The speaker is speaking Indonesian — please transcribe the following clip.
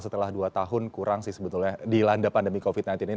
setelah dua tahun kurang sih sebetulnya di landa pandemi covid sembilan belas ini